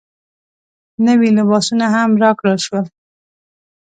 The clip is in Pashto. نوي لباسونه هم راکړل شول.